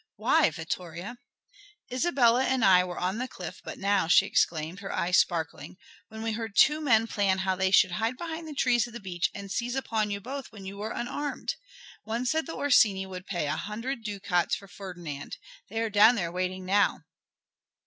"Why, Vittoria?" "Isabella and I were on the cliff but now," she exclaimed, her eyes sparkling, "when we heard two men plan how they should hide behind the trees of the beach and seize upon you both when you were unarmed. One said the Orsini would pay an hundred ducats for Ferdinand. They are down there waiting now."